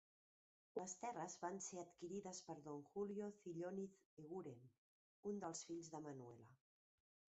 Les terres van ser adquirides per Don Julio Cilloniz Eguren, un dels fills de Manuela.